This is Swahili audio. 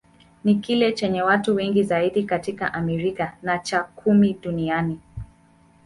Ni kile chenye watu wengi zaidi katika Amerika, na cha kumi duniani.